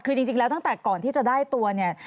คือจริงแล้วตั้งแต่ก่อนที่จะได้ตัวเนี่ย